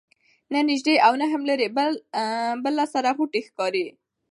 نه نیژدې او نه هم لیري بله سره غوټۍ ښکاریږي